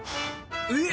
えっ！